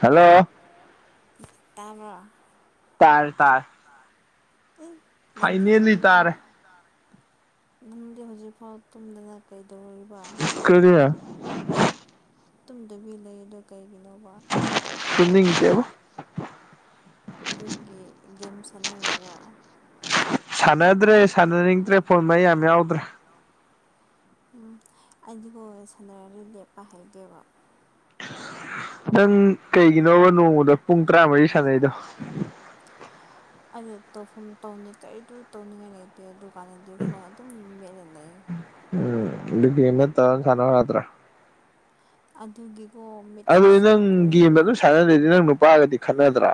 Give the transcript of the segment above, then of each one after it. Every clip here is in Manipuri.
ꯍꯜꯂꯣ꯫ ꯇꯥꯕ꯭ꯔꯣ꯫ ꯇꯔ ꯇꯔ ꯅꯦꯡꯒꯤꯦ ꯍꯧꯗꯤꯔꯤꯕꯣ ꯇꯥꯔꯦ ꯅꯪꯗꯤ ꯍꯧꯖꯤꯛꯐꯥꯎ ꯇꯨꯝꯗꯅ ꯀꯩꯗꯧꯔꯤꯕ ꯀꯔꯤ ꯨꯝꯗꯕꯤ ꯂꯩ ꯑꯣ ꯀꯩꯒꯤꯅꯣꯕ ꯇꯨꯝꯅꯤꯡꯇꯦꯕ ꯑꯗꯨꯒꯤ ꯒꯦꯝ ꯁꯥꯟꯅꯔꯤꯔꯣ꯫ ꯁꯥꯟꯅꯗ꯭ꯔꯦ ꯁꯥꯟꯅꯅꯤꯡꯗ꯭ꯔꯦ ꯐꯣꯟ ꯃꯩ ꯌꯥꯝ ꯌꯥꯎꯗ꯭ꯔꯦ꯫ ꯎꯝ ꯑꯩꯗꯤꯒꯣ ꯁꯥꯟꯅꯔꯗꯤ ꯂꯦꯞꯄ ꯍꯩꯗꯦꯕ꯫ ꯅꯪ ꯀꯩꯒꯤꯅꯣꯕ ꯅꯣꯡꯃꯗ ꯄꯨꯡ ꯇꯔꯥꯃꯔꯤ ꯁꯥꯟꯅꯩꯗꯣ꯫ ꯑꯩꯗꯨ ꯇꯧꯐꯝ ꯇꯧꯅꯤ ꯀꯩꯗꯨ ꯇꯧꯅꯤꯡꯉꯥꯏ ꯂꯩꯇꯦ ꯑꯗꯨꯀꯥꯟꯗꯗꯤ ꯐꯣꯟ ꯑꯗꯨꯝ ꯃꯦꯠꯂ ꯂꯩ꯫ ꯎꯝ ꯗ ꯒꯦꯝ ꯅꯠꯇꯥ ꯁꯅ ꯌꯥꯗ꯭ꯔꯦ꯫ ꯑꯗꯨꯒꯤ ꯑꯗꯨꯗꯤ ꯅꯪ ꯒꯦꯝ ꯑꯗꯨꯝ ꯁꯥꯟꯅ ꯂꯩꯗꯣ ꯅꯪ ꯅꯨꯄꯥꯒꯗꯤ ꯈꯠꯅꯗ꯭ꯔꯥ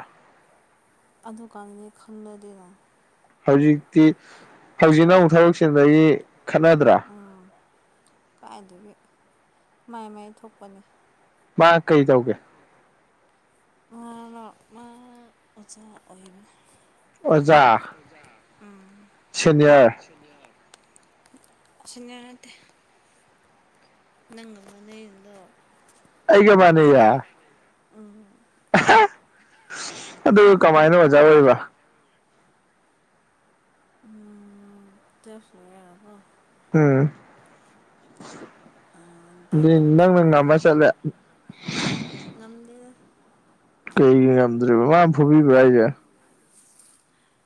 ꯑꯗꯨꯀꯥꯟꯗꯅꯦ ꯈꯪꯅꯗ꯭ꯔꯤꯗ ꯍꯧꯖꯤꯛꯇꯤ ꯍꯧꯖꯤꯛꯅ ꯑꯃꯨꯛ ꯊꯕꯛꯆꯤꯟꯕꯒꯤ ꯈꯠꯅꯗ꯭ꯔꯥ ꯎꯝ ꯀꯥꯏꯗꯒꯤ ꯃꯥꯏ ꯃꯥꯏ ꯊꯣꯛꯄꯅꯤ ꯃꯥ ꯀꯩ ꯇꯧꯒꯦ ꯃꯥꯅ ꯃꯥ ꯑꯣꯖꯥ ꯑꯣꯏꯕ ꯑꯣꯖꯥ ꯑꯣꯖꯥ ꯁꯦꯅꯤꯌꯔ ꯎꯃ ꯁꯦꯅꯤꯌꯔ ꯅꯠꯇꯦ ꯅꯪꯅ ꯃꯥꯅꯦꯗꯣ ꯑꯩꯒ ꯎꯝ ꯑꯗꯨ ꯀꯃꯥꯏꯅ ꯑꯣꯖꯥ ꯑꯣꯏꯕ ꯎꯝ ꯇꯨꯌꯦꯂꯞ ꯂꯣꯏꯔꯒ ꯀꯣ ꯎꯝ ꯑꯥ ꯅꯪꯅ ꯉꯝꯃ ꯆꯠꯂꯦ ꯉꯝꯗꯦ ꯀꯩ ꯉꯝꯗ꯭ꯔꯤꯕ ꯃꯥꯅ ꯐꯨꯕꯤꯕ꯭ꯔ ꯍꯥꯏꯁꯦ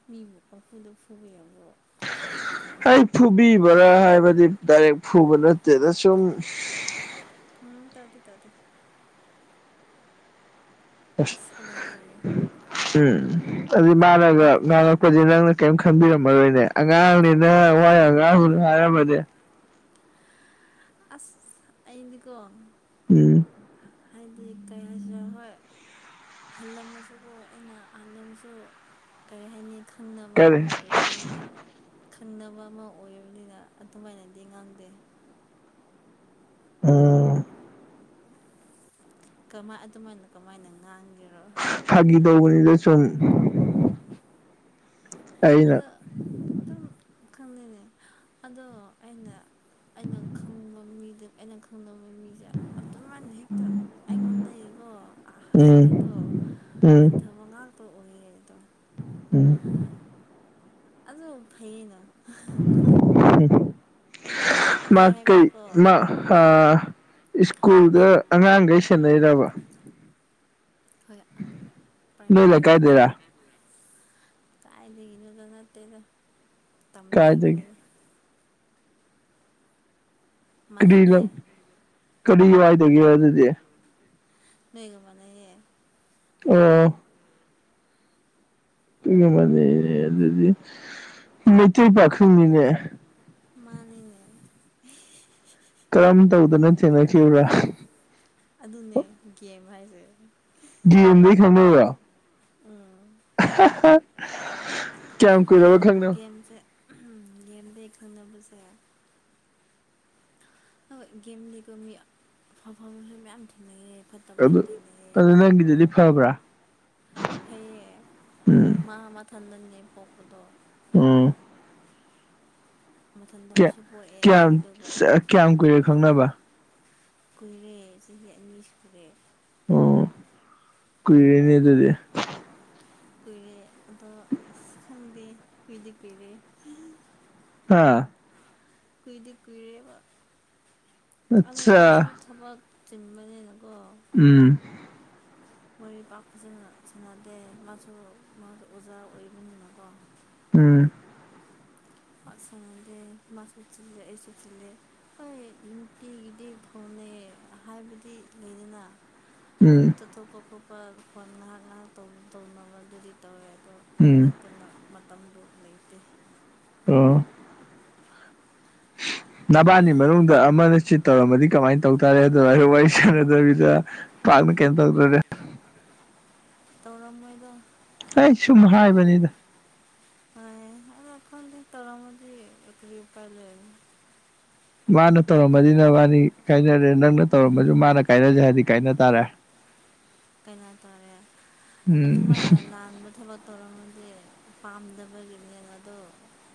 ꯃꯤꯕꯨ ꯄꯪꯐꯨꯗ ꯐꯨꯕ ꯌꯥꯕꯣ ꯍ ꯐꯨꯕꯤꯕ꯭ꯔꯥ ꯍꯥꯏꯕꯅꯤ ꯗꯥꯏꯔꯦꯛ ꯐꯨꯕ ꯅꯠꯇꯦꯗ ꯁꯨꯝ ꯎꯝ ꯇꯧꯗꯤ ꯇꯧꯇꯦ ꯑꯁ ꯎꯝ ꯑꯗꯨꯗꯤ ꯃꯥꯅꯒ ꯉꯥꯡꯉꯛꯄꯁꯦ ꯅꯪꯅ ꯀꯔꯤꯝ ꯈꯟꯕꯤꯔꯝꯃꯔꯣꯏꯅꯦ ꯑꯉꯥꯡꯅꯤꯅ ꯋꯥ ꯌꯥꯝ ꯉꯥꯡꯅꯨ ꯍꯥꯏꯔꯃꯗꯤ ꯑꯁ ꯑꯩꯗꯤꯀꯣ ꯎꯝ ꯍꯥꯏꯗꯤ ꯀꯩ ꯍꯥꯏꯁꯤꯔꯦ ꯍꯣꯏ ꯍꯜꯂꯝꯃꯁꯨ ꯑꯩꯅ ꯍꯜꯂꯁꯨ ꯀꯔꯤ ꯍꯥꯏꯅꯤ ꯈꯪꯅꯕ ꯀꯔꯤ ꯑꯃ ꯑꯣꯏꯕ ꯑꯣꯏꯕꯅꯤꯅ ꯈꯪꯅꯕ ꯑꯃ ꯑꯣꯏꯔꯤꯕꯅꯤꯅ ꯑꯗꯨꯃꯥꯏꯅꯗꯤ ꯉꯥꯡꯗꯦ ꯎꯥ ꯀꯃꯥꯏ ꯑꯗꯨꯃꯥꯏꯅ ꯀꯃꯥꯏꯅ ꯉꯥꯡꯒꯦꯔꯣ ꯐꯥꯒꯤ ꯇꯧꯕꯅꯤꯗ ꯁꯨꯝ ꯎ ꯑꯗꯣ ꯑꯗꯨꯝ ꯈꯪꯉꯦꯅꯦ ꯑꯗꯣ ꯑꯩꯅ ꯑꯩꯅ ꯈꯪꯕ ꯃꯤꯗ ꯑꯩꯅ ꯈꯪꯗꯕ ꯃꯤꯁꯦ ꯑꯗꯨꯃꯥꯏꯅ ꯍꯦꯛꯇ ꯑꯩꯉꯣꯟꯗꯒꯤꯀꯣ ꯑꯥꯁꯤꯗꯣ ꯎꯝ ꯎꯝ ꯍꯟꯊꯕ ꯉꯥꯛꯇ ꯑꯣꯏꯔꯦ ꯑꯗꯣ ꯎꯝ ꯑꯗꯨ ꯐꯩꯌꯦꯅ ꯃꯥ ꯐꯩ ꯀꯩ ꯍꯥꯏꯕꯗꯤꯀꯣ ꯃꯥ ꯑꯥ ꯁ꯭ꯀꯨꯜꯗ ꯐꯩ ꯑꯉꯥꯡ ꯒꯩ ꯁꯦꯟꯅꯩꯔꯕ ꯍꯣꯏ ꯎꯝ ꯅꯣꯏ ꯄ꯭ꯔꯥꯏꯃꯥꯔꯤ ꯑꯣꯖꯥ ꯂꯩꯀꯥꯏꯗꯩꯔꯥ ꯀꯥꯏꯗꯒꯤꯅꯣꯗ ꯅꯠꯇꯦꯗ ꯀꯥꯏꯗꯒꯤ ꯇꯝꯗꯒꯤꯅꯤꯅ ꯀꯔꯤ ꯃꯥꯟꯅꯗꯦ ꯂꯝ ꯀꯔꯤ ꯋꯥꯏꯗꯒꯤꯔꯥ ꯑꯗꯨꯗꯤ ꯅꯣꯏꯒ ꯃꯥꯅꯩꯌꯦ ꯑꯣ ꯃꯥꯥꯟꯅꯩꯅꯦ ꯑꯗꯨꯗꯤ ꯃꯩꯇꯩ ꯄꯥꯈꯪꯅꯤꯅꯦ ꯃꯥꯥꯟꯅꯦ ꯀꯔꯝ ꯇꯧꯗꯅ ꯊꯦꯡꯅꯈꯤꯕ꯭ꯔꯥ ꯑꯗꯨꯅꯦ ꯒꯦꯝ ꯍꯥꯏꯁꯦ ꯒꯤꯝꯗꯒꯤ ꯈꯪꯅꯩꯔꯣ ꯎꯝ ꯀꯌꯥꯝ ꯑꯗꯣ ꯀꯨꯏꯔꯕ ꯈꯪꯅꯕ ꯒꯦꯝꯁꯦ ꯒꯦꯝꯗꯒꯤ ꯈꯪꯅꯕꯁꯦ ꯍꯣꯏ ꯒꯦꯝ ꯂꯩꯕ ꯃꯤ ꯑꯐꯕꯁꯨ ꯃꯌꯥꯝ ꯊꯦꯡꯅꯩ ꯐꯠꯇꯕꯁꯨ ꯊꯦꯡꯅꯩ ꯅꯡꯒꯤꯗꯨꯗꯤ ꯐꯕꯥꯔ ꯐꯥꯏꯌꯦ ꯎꯝ ꯃꯥ ꯃꯊꯟꯗꯅꯤ ꯄꯣꯛꯄꯗꯣ ꯎꯝ ꯃꯊꯟꯇꯁꯨ ꯄꯣꯛꯑꯦ ꯀꯌꯥꯝ ꯑꯗꯨꯒ ꯀꯌꯥꯝ ꯀꯨꯏꯔꯦ ꯈꯪꯅꯕ ꯀꯨꯏꯔꯦ ꯆꯍꯤ ꯑꯅꯤ ꯁꯨꯔꯦ ꯑꯣ ꯀꯨꯏꯔꯦꯅꯦ ꯑꯗꯨꯗꯤ ꯀꯨꯏꯔꯦ ꯑꯗꯣ ꯑꯁ ꯈꯪꯗꯦ ꯀꯨꯏꯗꯤ ꯀꯨꯏꯔꯦ ꯍꯥ ꯀꯨꯏꯗꯤ ꯀꯨꯏꯔꯦꯕ ꯑꯗꯨꯅ ꯑꯩꯁꯨ ꯑꯠꯆꯥ ꯊꯕꯛ ꯆꯤꯟꯕꯅꯤꯅꯀꯣ ꯎꯝ ꯃꯣꯏ ꯄꯥꯛ ꯐꯖꯅ ꯁꯥꯟꯅꯗꯦ ꯃꯥꯁꯨ ꯃꯥꯁꯨ ꯑꯣꯖꯥ ꯑꯣꯏꯕꯅꯤꯅꯀꯣ ꯎꯝ ꯄꯥꯛ ꯁꯥꯅꯗꯦ ꯃꯥꯁꯨ ꯆꯤꯜꯂꯦ ꯑꯩꯁꯨ ꯆꯤꯜꯂꯦ ꯍꯣꯏ ꯅꯨꯡꯇꯤꯒꯤꯗꯤ ꯐꯣꯟꯅꯦ ꯍꯥꯏꯕꯗꯤ ꯂꯩꯗꯅ ꯎꯝ ꯆꯠꯊꯣꯛꯄ ꯈꯣꯠꯄ ꯐꯣꯟ ꯉꯥꯍꯥꯛ ꯉꯥꯍꯥꯛ ꯇꯧ ꯇꯧꯅꯕꯗꯨꯗꯤ ꯇꯧꯋꯦ ꯑꯗꯣ ꯎꯝ ꯅꯠꯇꯅ ꯃꯇꯝꯗꯨ ꯂꯩꯇꯦ ꯑ [inaudible] ꯅꯕꯥꯅꯤ ꯃꯅꯨꯡꯗ ꯑꯃꯅ ꯆꯤꯠ ꯇꯧꯔꯝꯃꯗꯤ ꯀꯃꯥꯏꯅ ꯇꯧ ꯇꯥꯔꯦ ꯑꯗꯨꯃꯥꯏꯅꯥ ꯋꯥꯔꯤ ꯁꯥꯟꯅꯗꯕꯤꯗ ꯄꯥꯛꯅ ꯀꯩꯏꯝ ꯇꯧꯗꯣꯔꯦ ꯇꯧꯔꯝ ꯃꯣꯏꯗ ꯑꯩ ꯁꯨꯝ ꯍꯥꯏꯕꯅꯤꯗ ꯍꯣꯏ ꯑꯗꯣ ꯈꯪꯗꯦ ꯇꯧꯔꯝꯃꯗꯤ ꯀꯔꯤ ꯎꯄꯥꯏ ꯂꯩ ꯃꯥꯅ ꯇꯧꯔꯝꯃꯅꯤꯅ ꯃꯥꯅꯤ ꯀꯥꯏꯅꯔꯦ ꯅꯪꯅ ꯇꯧꯔꯝꯃꯁꯨ ꯃꯥꯅ ꯀꯥꯏꯅꯖꯦ ꯍꯥꯏꯗꯤ ꯀꯥꯏꯅ ꯇꯥꯔꯦ ꯀꯩꯅꯣ ꯇꯧꯔꯦ ꯎꯝ ꯑꯗꯨꯃꯥꯏꯅ ꯂꯥꯟꯕ ꯊꯕꯛ ꯇꯧꯔꯝꯃꯗꯤ ꯄꯥꯝꯗꯕꯒꯤꯅꯦꯕ ꯑꯗꯣ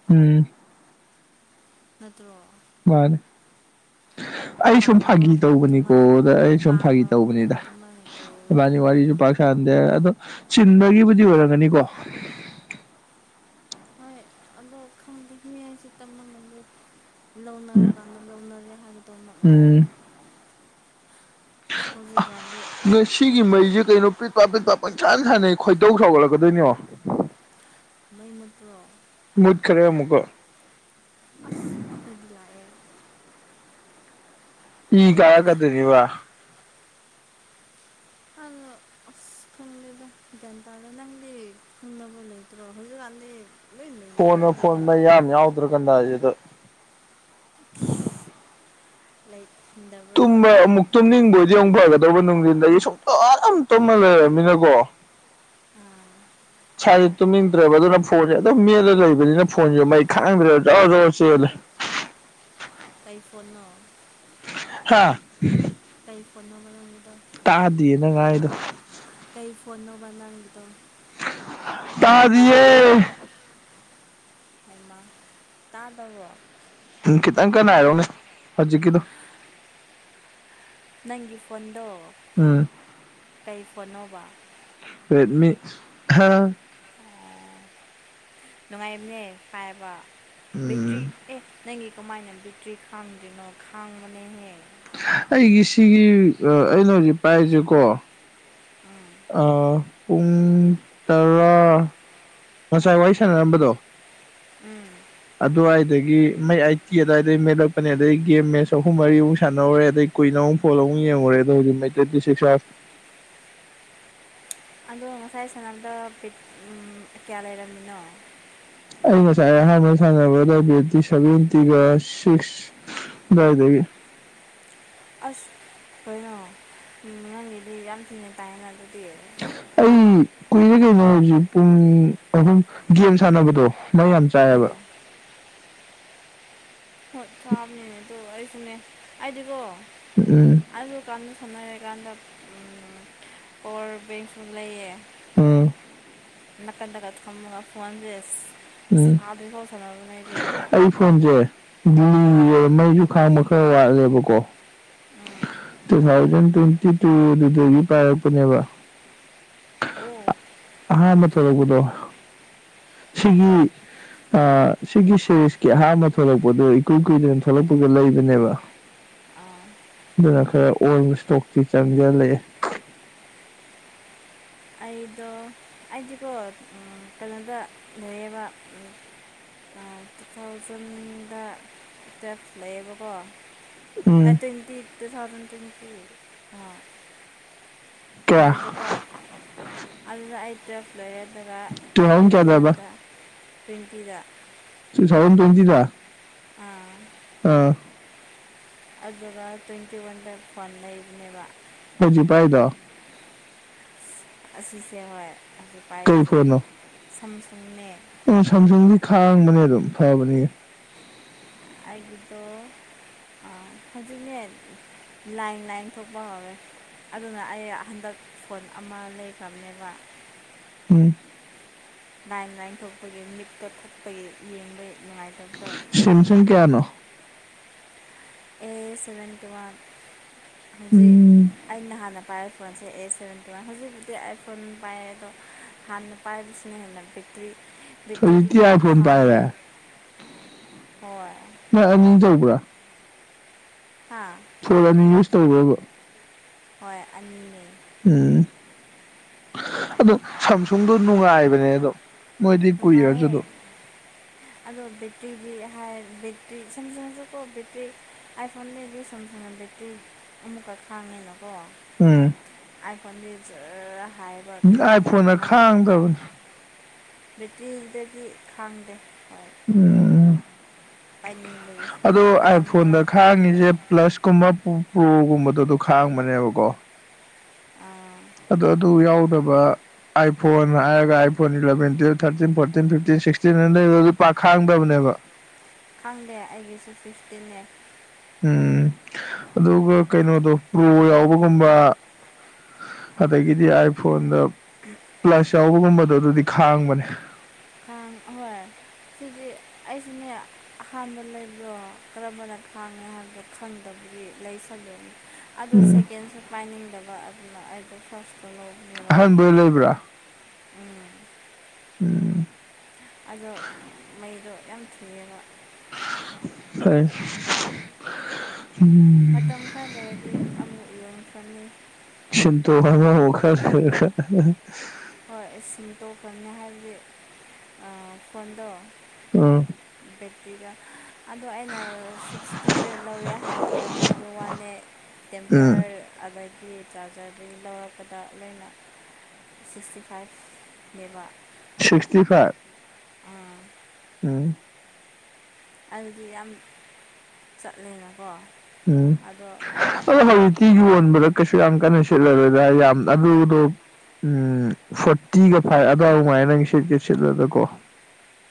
ꯎꯝ ꯅꯠꯇ꯭ꯔꯣ ꯃꯥꯅꯦ ꯑꯩ ꯁꯨꯝ ꯐꯥꯒꯤ ꯄꯥꯝꯃꯒꯕꯨ ꯇꯧꯕꯅꯤꯀꯣ ꯑꯗꯨꯃꯥꯏꯅ ꯑꯗ ꯑꯩ ꯁꯨꯝ ꯐꯥꯒꯤ ꯄꯥꯝꯃꯒ ꯇꯧꯕꯅꯤꯗ ꯑꯗꯨꯃꯥꯏꯅ ꯇꯧꯔꯣꯏꯗ ꯏꯕꯥꯅꯤ ꯋꯥꯔꯤꯁꯨ ꯄꯥꯛ ꯀꯥꯟꯗꯦ ꯑꯗꯣ ꯆꯤꯟꯕꯒꯤꯕꯨꯗꯤ ꯑꯣꯏꯔꯝꯒꯅꯤꯀꯣ ꯍꯣꯏ ꯑꯗꯣ ꯈꯪꯗꯦ ꯃꯤ ꯍꯥꯏꯁꯦ ꯇꯝꯕ ꯉꯝꯗꯦ ꯂꯧꯅꯔꯀꯥꯟꯗ ꯂꯧꯅꯔꯦ ꯍꯥꯏꯕꯗꯣ ꯃꯉꯥꯏꯔꯦ ꯑ ꯅꯣꯏ ꯁꯤꯒꯤ ꯃꯩꯁꯦ ꯂꯣꯏꯅ ꯀꯩꯅꯣ ꯄꯤꯠ ꯄꯦꯠ ꯄꯥꯠ ꯀꯣꯏꯁꯥꯟ ꯁꯥꯟꯅꯩ ꯈꯣꯏꯗꯧ ꯁꯥꯎꯒꯠꯂꯛꯀꯗꯣꯏꯅꯤ ꯌꯦꯡꯉꯣ ꯃꯩ ꯃꯨꯇ꯭ꯔꯣꯅ ꯃꯨꯠꯈꯔꯦ ꯑꯃꯨꯛꯀ ꯑꯁ ꯑꯈꯣꯏꯗꯤ ꯂꯥꯛꯑꯦ ꯏ ꯀꯥꯔꯛꯀꯗꯣꯏꯅꯤꯕ ꯈꯪ ꯑꯁ ꯈꯨꯡꯗꯦꯗ ꯒ꯭ꯌꯥꯟ ꯇꯥꯗꯦ ꯅꯪꯗꯤ ꯈꯪꯅꯕ ꯂꯩꯇ꯭ꯔꯣ ꯍꯧꯖꯤꯛꯀꯥꯟꯗꯤ ꯂꯣꯏ ꯐꯣꯟꯅ ꯐꯣꯟ ꯂꯩꯅꯔꯕꯅꯤꯗ ꯃꯩ ꯌꯥꯝ ꯌꯥꯎꯗ꯭ꯔ ꯀꯟꯗꯥꯖꯤꯗ [unintelligible] ꯇꯨꯝꯕ ꯑꯃꯨꯛ ꯇꯨꯝꯅꯤꯡꯕꯣꯏꯗꯤ ꯑꯃꯨꯛ ꯐꯒꯗꯧꯕ ꯅꯨꯡꯊꯤꯟꯗꯒꯤ ꯁꯨꯡꯇꯨꯝ ꯇꯨꯝꯃ ꯂꯩꯔꯃꯤꯅꯀꯣ ꯎꯝ ꯁꯥꯥꯖꯦ ꯇꯨꯝꯅꯤꯡꯗ꯭ꯔꯦꯕ ꯑꯗꯨꯅ ꯐꯣꯟꯖꯦ ꯑꯗꯨꯝ ꯃꯦꯠꯂ ꯂꯩꯕꯅꯤꯅ ꯐꯣꯟꯖꯨ ꯃꯩ ꯈꯥꯡꯗ꯭ꯔꯦꯕ ꯖꯣꯔꯣ ꯖꯣꯔꯣ ꯆꯦꯜꯂꯦ ꯀꯩ ꯄꯣꯠꯅꯣ ꯍꯥꯥ ꯀꯩ ꯄꯣꯠꯅꯣꯕꯥ ꯅꯪꯒꯤꯗꯣ ꯇꯥꯗꯤꯌꯦ ꯅꯪ ꯉꯥꯡꯉꯤꯗꯣ ꯀꯩ ꯐꯣꯟꯅꯣꯕ ꯅꯪꯒꯤ ꯗꯣ ꯇꯥꯔꯤꯌꯦ ꯍꯩꯃꯥ ꯇꯥꯗꯕꯔꯣ ꯎꯝ ꯈꯤꯇꯪ ꯀꯟꯅ ꯍꯥꯏꯔꯛꯎꯅꯦ ꯍꯧꯖꯤꯛꯀꯤꯗꯣ ꯅꯪꯒꯤ ꯐꯣꯟꯗꯣ ꯎꯝ ꯀꯩ ꯐꯣꯟꯅꯣꯕ ꯔꯦꯠꯃꯤ [unintelligible] ꯑꯣ ꯅꯨꯡꯉꯥꯏꯕꯅꯦ ꯄꯥꯏꯕ ꯕꯦꯇ꯭ꯔꯤ ꯎꯝ ꯑꯦ ꯅꯪꯒꯤ ꯀꯃꯥꯏꯅ ꯕꯤꯇ꯭ꯔꯤ ꯈꯥꯡꯗ꯭ꯔꯤꯅꯣ ꯈꯥꯡꯕꯅꯦꯍꯦ ꯑꯩꯒꯤ ꯁꯤꯒꯤ ꯑ ꯑꯩꯅ ꯍꯧꯖꯤꯛ ꯄꯥꯏꯔꯤꯁꯦꯀꯣ ꯎꯝ ꯑ ꯄꯨꯡ ꯇꯔꯥ ꯉꯁꯥꯏ ꯋꯥꯔꯤ ꯁꯥꯟꯅꯔꯝꯕꯗꯣ ꯎꯝ ꯑꯗꯨꯋꯥꯏꯗꯒꯤ ꯃꯩ ꯑꯥꯏꯠꯇꯤ ꯑꯗꯏꯗꯩ ꯃꯦꯠꯂꯛꯄꯅꯦ ꯑꯗꯩ ꯒꯦꯝ ꯃꯦꯠꯆ ꯑꯍꯨꯝ ꯃꯔꯤꯃꯨꯛ ꯁꯥꯟꯅꯧꯔꯦ ꯑꯗꯩ ꯀꯨꯏꯅ ꯃꯨꯛ ꯐꯣꯜ ꯌꯦꯡꯉꯨꯔꯦ ꯑꯗꯨꯒꯤ ꯃꯩ ꯇ꯭ꯋꯦꯟꯇꯤꯁꯤꯛꯁ ꯃꯨꯛ ꯌꯥꯎꯔꯝꯃꯤ ꯑꯗꯣ ꯉꯁꯥꯏ ꯁꯅꯥꯕꯗ ꯄꯦꯛ ꯎꯝ ꯌꯥ ꯂꯩꯔꯝꯃꯤꯅꯣ ꯑꯩ ꯉꯁꯥꯏ ꯑꯍꯥꯟꯕ ꯁꯥꯟꯅꯕꯗ ꯕꯦꯠꯇꯤ ꯁꯚꯦꯟꯇꯤꯒ ꯁꯤꯛꯁ ꯑꯗꯥꯏꯗꯒꯤ ꯑꯁ ꯀꯩꯅꯣ ꯅꯪꯒꯤꯗꯤ ꯌꯥꯝ ꯊꯤꯅ ꯇꯥꯏꯌꯦꯅ ꯑꯗꯨꯗꯤ ꯑꯩ ꯀꯨꯏꯔꯦ ꯀꯩꯅꯣ ꯍꯧꯖꯤꯛ ꯄꯨꯡ ꯑꯍꯨꯝ ꯒꯦꯝ ꯁꯥꯟꯅꯕꯗꯣ ꯃꯩ ꯌꯥꯝ ꯇꯥꯑꯦꯕ ꯎꯝ ꯍꯣꯏ ꯆꯥꯕꯅꯦ ꯑꯗꯨ ꯑꯩꯁꯨꯅꯦ ꯍꯥꯏꯗꯤꯀꯣ ꯎꯝ ꯎꯝ ꯑꯗꯨꯀꯥꯟꯗ ꯁꯟꯅꯔꯤꯀꯥꯟꯗ ꯎꯝ ꯄꯋꯥꯔ ꯕꯦꯡꯁꯨ ꯂꯩꯌꯦ ꯎꯝ ꯅꯥꯀꯟꯗꯒ ꯊꯝꯃꯒ ꯐꯣꯟꯁꯦ ꯑꯁ ꯎꯝ ꯁꯥꯗ꯭ꯔꯤ ꯐꯧ ꯁꯥꯟꯅꯕꯦ ꯑꯩꯗꯤ ꯑꯩ ꯐꯣꯟꯁꯦ [unintelligible] ꯃꯩꯁꯨ ꯈꯥꯡꯕ ꯈꯔ ꯋꯥꯠꯂꯦꯕꯀꯣ ꯎꯝ ꯇꯨ ꯊꯥꯎꯖꯟ ꯇ꯭ꯋꯦꯟꯇꯤ ꯇꯨꯗꯨꯗꯒꯤ ꯄꯥꯏꯔꯛꯄꯅꯦꯕ ꯑꯣ ꯑ ꯃ ꯆꯒꯗꯣ ꯎꯝ ꯁꯤꯒꯤ ꯑ ꯁꯤꯒꯤ ꯁꯦꯔꯤꯁꯀꯤ ꯑꯍꯥꯟꯕ ꯊꯣꯛꯂꯛꯄꯗꯨꯣ ꯏꯀꯨꯏ ꯀꯨꯏꯗꯅ ꯊꯣꯛꯂꯛꯄꯒ ꯂꯩꯕꯅꯦꯕ [inaudible] ꯑꯗꯨꯅ ꯈꯔ ꯑꯣꯜ ꯏꯁꯇꯣꯛꯇꯤ ꯆꯪꯒ ꯂꯩꯑꯦ ꯑꯩꯗꯣ ꯑꯩꯗꯤꯀꯣ ꯀꯩꯅꯣꯗ ꯂꯩꯣꯏꯌꯦꯕ ꯇꯨ ꯊꯥꯎꯖꯟꯗ ꯇꯨꯋꯦꯜꯐ ꯂꯩꯌꯦꯕꯀꯣ ꯎꯝ ꯑꯠꯇꯅꯤ ꯇꯔꯠꯇ ꯁꯥꯅ ꯇꯅꯤ ꯊꯔ ꯑ ꯀꯌꯥ ꯑꯗꯨꯖꯤꯗ ꯀꯔ ꯑꯗꯨꯜꯗ ꯑꯩꯥꯏꯇ ꯐ꯭ꯂꯔꯗꯒ ꯇꯨ ꯊꯥꯎꯖꯟ ꯇ꯭ꯋꯦꯟꯇꯤ ꯀꯌꯥꯗꯕ ꯋꯥꯟꯗ ꯇꯋꯦꯟꯇꯤꯗ [unintelligible] ꯑꯥ ꯑ ꯑꯗꯨꯒ ꯇ꯭ꯋꯦꯟꯇꯤ ꯋꯥꯟ ꯗꯦ ꯐꯣꯟ ꯂꯩꯕꯅꯦꯕ ꯑꯩ ꯍꯧꯖꯤꯛ ꯄꯥꯏꯗꯣ ꯑꯁꯤꯁꯦ ꯍꯣꯏ ꯑꯁꯤ ꯀꯩ ꯄꯥꯏꯔꯤꯁꯦ ꯁꯝꯁꯨꯡꯅꯦ ꯎꯝ ꯁꯥꯝꯁꯨꯡꯗꯤ ꯈꯥꯡꯕꯅꯦ ꯑꯗꯨꯝ ꯐꯕꯅꯤ ꯑꯩꯒꯤꯗꯣ ꯑ ꯍꯧꯖꯤꯛꯅꯦ ꯂꯥꯏꯟ ꯂꯥꯏꯟ ꯊꯣꯛꯄ ꯍꯧꯔꯦ ꯑꯗꯨꯅ ꯑꯩ ꯍꯟꯗꯛ ꯁ꯭ꯄꯣꯟ ꯑꯃ ꯂꯩꯈ꯭ꯔꯕꯅꯦꯕ ꯎꯝ ꯂꯥꯏꯟ ꯂꯥꯏꯟ ꯊꯣꯛꯄꯒꯤ ꯃꯤꯠꯇꯣ ꯊꯛꯄꯒꯤ ꯌꯦꯡꯕ ꯅꯨꯡꯉꯥꯏꯇꯕꯗꯣ ꯁꯦꯝꯁꯡ ꯀꯌꯥꯅꯣ ꯑꯦ ꯁꯚꯦꯟꯇꯤ ꯋꯥꯟ ꯍꯧꯖꯤꯛ ꯎꯝ ꯑꯩꯅ ꯍꯥꯟꯅ ꯄꯥꯏꯔꯛꯄ ꯐꯣꯟꯁꯦ ꯑꯦ ꯁꯚꯦꯟꯇꯤ ꯋꯥꯟ ꯍꯧꯖꯤꯛꯀꯤꯗꯤ ꯑꯥꯏ ꯐꯣꯟ ꯄꯥꯏꯌꯦ ꯑꯗꯣ ꯍꯥꯟꯅ ꯄꯥꯏꯕꯁꯤꯅ ꯍꯦꯟꯅ ꯕꯦꯠꯇ꯭ꯔꯤ ꯕꯦꯠꯇ꯭ꯔꯤꯗꯤ ꯍꯧꯖꯤꯛꯇꯤ ꯄꯨꯔꯥ ꯑꯥꯏꯐꯣꯟ ꯄꯥꯏꯔꯦ ꯈꯥꯡꯉꯦ ꯍꯣꯏ ꯅꯣꯏ ꯑꯅꯤ ꯌꯧꯕ꯭ꯔꯥ ꯍꯥꯥ ꯐꯣꯜ ꯑꯅꯤ ꯌꯨꯁ ꯇꯧꯕ꯭ꯔꯥꯕ ꯍꯣꯏ ꯑꯅꯤꯅꯦ ꯎꯝ ꯑꯗꯣ ꯁꯝꯁꯨꯡꯗꯣ ꯅꯨꯡꯉꯥꯏꯕꯅꯦ ꯑꯗꯣ ꯃꯣꯏꯗꯤ ꯀꯨꯏꯔꯁꯨ ꯅꯨꯡꯉꯥꯏꯌꯦ ꯑꯗꯨꯝ ꯑꯗꯣ ꯕꯦꯠꯇ꯭ꯔꯤꯒꯤ ꯍꯥꯏꯔꯗꯤ ꯕꯦꯠꯇ꯭ꯔꯤ ꯁꯦꯝꯁꯡ ꯁꯨꯀꯣ ꯕꯦꯠꯇ꯭ꯔꯤ ꯑꯥꯏꯐꯣꯟꯗꯩꯗꯤ ꯁꯦꯝꯁꯪꯅ ꯕꯦꯠꯇ꯭ꯔꯤ ꯑꯃꯨꯛꯀ ꯈꯥꯡꯉꯦꯅꯀꯣ ꯎꯝ ꯑꯥꯏ ꯐꯣꯟꯗꯤ ꯖꯔꯔ ꯍꯥꯏꯌꯦꯕ ꯈꯤꯇꯪ ꯑꯥꯏꯐꯣꯟꯅ ꯉꯥꯛꯇꯪ ꯈꯥꯡꯗꯕꯅꯤ ꯄꯥꯏꯕ ꯀꯥꯟ ꯕꯦꯇ꯭ꯔꯤꯗꯒꯤ ꯈꯥꯡꯗꯦ ꯍꯣꯏ ꯎꯝ ꯄꯥꯏꯅꯤꯡꯕꯒꯤ ꯁꯨꯝ ꯑꯗꯣ ꯃꯇꯝ ꯈꯔ ꯑꯥꯏꯐꯣꯟꯗ ꯄꯥꯏꯒꯦ ꯈꯥꯡꯉꯤꯁꯦ ꯇꯧꯕ ꯄ꯭ꯂꯁ ꯀꯨꯝꯕ ꯄꯨ ꯄ꯭ꯔꯣꯒꯨꯝꯕꯗꯣ ꯑꯗꯣ ꯈꯥꯡꯕꯅꯦꯕꯀꯣ ꯑꯥ ꯑꯗ ꯑꯗꯨ ꯌꯥꯎꯗꯕ ꯑꯥꯏꯐꯣꯟ ꯍꯥꯏꯔꯒ iPhone eleven twelve thirteen fourteen fifteen sixteen ꯑꯅ ꯂꯩꯕꯗꯨ ꯑꯗꯨ ꯄꯥꯛ ꯈꯥꯡꯗꯕꯅꯦꯕ ꯈꯪꯗꯦ ꯑꯩꯒꯤꯁꯨ ꯁꯤꯛꯁꯇꯤꯟꯅꯦ ꯎꯝ ꯑꯗꯨꯒ ꯀꯩꯅꯣꯗꯣ ꯄ꯭ꯔꯣ ꯌꯥꯎꯕꯒꯨꯝꯕ ꯑꯗꯒꯤꯗꯤ ꯑꯥꯏꯐꯣꯟꯗ [unintelligible] ꯄ꯭ꯂꯁ ꯌꯥꯎꯕꯒꯨꯝꯕꯗꯣ ꯑꯗꯨꯗꯤ ꯈꯥꯡꯕꯅꯦ ꯍꯣꯏ ꯁꯤꯗꯤ ꯑꯩꯁꯨꯅꯦ ꯑꯍꯥꯟꯕ ꯂꯩꯕ꯭ꯔꯣ ꯀꯔꯝꯕꯅ ꯈꯥꯡꯉꯦ ꯍꯥꯏꯕꯗꯣ ꯈꯪꯗꯕꯒꯤ ꯂꯩ ꯁꯜꯂꯨꯏꯅꯤ ꯑꯗꯣ ꯎꯝ ꯁꯦꯀꯦꯟꯁꯦ ꯄꯥꯏꯅꯤꯡꯗꯕ ꯑꯗꯨꯅ ꯑꯩꯗꯣ ꯐꯥꯔꯁ ꯑꯍꯟꯕ ꯑꯣꯏ ꯂꯩꯕ꯭ꯔꯥ ꯎꯝ ꯎꯝ ꯑꯗꯣ ꯃꯩꯗꯣ ꯌꯥꯝ ꯊꯨꯌꯦꯕ [unintelligible] ꯃꯇꯝ ꯈꯔ ꯂꯩꯔꯗꯤ ꯑꯃꯨꯛ ꯌꯣꯟꯈ꯭ꯔꯅꯤ ꯁꯤꯟꯇꯣ ꯑꯉꯧꯕ ꯈꯔ ꯂꯩꯔꯒ ꯍꯣꯏ ꯑꯩ ꯁꯤꯟ ꯇꯣꯛꯈ꯭ꯔꯅꯤ ꯍꯥꯏꯕꯗꯤ ꯑ ꯐꯣꯟꯗꯣ ꯑꯥꯍ ꯕꯦꯠꯇ꯭ꯔꯤꯗꯣ ꯑꯗꯣ ꯑꯩꯅ ꯁꯤꯛꯁꯇꯤꯗ ꯂꯧꯋꯦ ꯍꯥꯏꯕꯗ ꯍꯥꯏꯕ ꯋꯥꯅꯦ ꯎꯝ ꯇꯦꯝꯄꯔ ꯑꯗ__ ꯒꯤ ꯆꯥꯔꯖꯔꯗꯒꯤ ꯂꯧꯔꯛꯄꯗ ꯂꯣꯏꯅ ꯁꯤꯛꯁꯇꯤ ꯐꯥꯏꯚ ꯅꯦꯕ ꯁꯤꯛꯁꯇꯤ ꯐꯥꯏꯚ [unintelligible] ꯑꯥ ꯎꯝ ꯑꯗꯨꯗꯤ ꯌꯥꯝ ꯆꯠꯂꯦꯅꯥꯀꯣ ꯑꯗꯣ ꯃꯥ ꯇꯤ ꯌꯣꯟꯕꯗ ꯀꯩꯁꯨ ꯌꯥꯝ ꯀꯟꯅ ꯁꯤꯠꯂꯔꯣꯏꯗ ꯌꯥꯝ ꯑꯗꯨ ꯑꯗꯨ ꯎꯝ ꯐꯣꯔꯇꯤꯒ ꯐꯥꯏꯚ ꯑꯋꯥꯏ ꯃꯉꯥꯏ ꯅꯪ ꯁꯤꯠꯀꯦ ꯁꯤꯠꯂꯕꯗ ꯀꯣ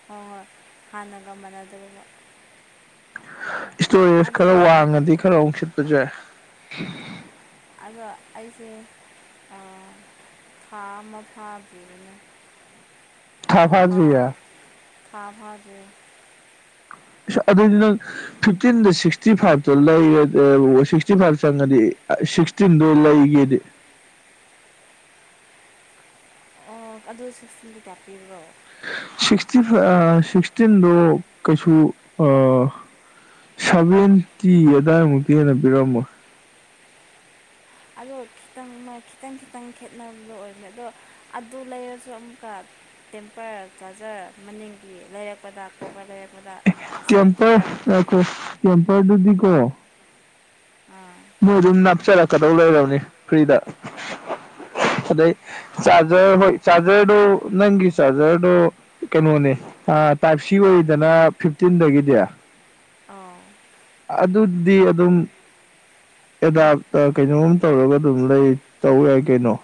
ꯍꯣꯏ ꯍꯣꯏ ꯍꯥꯟꯅꯒ ꯃꯥꯟꯅꯗꯔꯤꯕ ꯏꯁꯇꯣꯔꯦꯖ ꯈꯔ ꯋꯥꯡꯉꯗꯤ ꯈꯔ ꯑꯣꯡꯁꯤꯠꯄ ꯌꯥꯏ ꯑꯗꯣ ꯑꯩꯖꯦ ꯑ ꯊꯥ ꯑꯃ ꯐꯥꯗꯔꯤꯅꯦ ꯊꯥ ꯑ ꯐꯥꯗ꯭ꯔꯤꯌꯦ ꯊꯥ ꯐꯥꯗ꯭ꯔꯤ ꯑꯗꯨꯗꯤ ꯅꯪ ꯐꯤꯞꯇꯤꯟꯗ ꯁꯤꯛꯁꯇꯤ ꯐꯥꯏꯚꯇ ꯂꯩꯔ ꯑ ꯁꯤꯛꯁꯇꯤ ꯐꯥꯏꯚ ꯆꯪꯉꯗꯤ ꯑ ꯁꯤꯛꯁ ꯇꯤꯟꯗꯣ ꯂꯩꯒꯦꯗꯤ ꯑ ꯑꯗꯨ ꯁꯤꯛꯁꯇꯤꯟꯗꯤ ꯀꯌꯥ ꯄꯤꯕ꯭ꯔꯣ ꯁꯤꯛꯁꯇꯤ ꯐꯥ ꯑ ꯁꯤꯛꯁꯇꯤꯟꯗꯣ ꯀꯩꯁꯨ ꯑ ꯁꯚꯦꯟꯇꯤ ꯑꯗꯨꯋꯥꯏꯃꯨꯛꯇꯤ ꯍꯦꯟꯅ ꯄꯤꯔꯝꯃꯣ ꯑꯗꯣ ꯈꯤꯇꯪꯃ ꯈꯤꯇꯪ ꯈꯤꯇꯪ ꯈꯦꯠꯅꯕ ꯗꯣ ꯑꯣꯏꯕꯅꯦ ꯑꯗꯣ ꯑꯗꯨ ꯂꯩꯔꯁꯨ ꯑꯃꯨꯛꯀ ꯇꯦꯝꯄꯔ ꯆꯥꯔꯖꯔ ꯃꯅꯤꯡꯒꯤ ꯂꯩꯔꯛꯄꯗ ꯀꯣꯕꯔ ꯂꯩꯔꯛꯄꯗ ꯁꯚꯦꯟꯇꯤ ꯐꯥꯏꯚ ꯇꯦꯝꯄꯔꯗꯨꯗꯤ ꯀꯣ ꯑ ꯃꯣꯏ ꯑꯗꯨꯝ ꯅꯞꯆꯔꯛꯀꯗꯧ ꯂꯩꯔꯕꯅꯤ ꯐ꯭ꯔꯤꯗ ꯑꯗꯩ ꯆꯥꯖꯔ ꯍꯣꯏ ꯆꯥꯖꯔꯗꯣ ꯅꯪꯒꯤ ꯆꯥꯖꯔꯗꯣ ꯀꯩꯅꯣꯅꯦ ꯑ ꯇꯥꯏꯞ ꯁꯤ ꯑꯣꯏꯔꯤꯗꯅ ꯐꯤꯞꯇꯤꯟꯗꯒꯤꯗꯤ ꯑꯣ ꯑꯗꯨꯗꯤ ꯑꯗꯨꯝ ꯑꯦꯗꯥꯞ ꯀꯩꯅꯣꯝ ꯇꯧꯔꯒ ꯑꯗꯨꯝ ꯂꯩ ꯇꯧ ꯌꯥꯏ ꯀꯩꯅꯣ